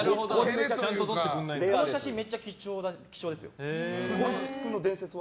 この写真めっちゃ貴重ですよ。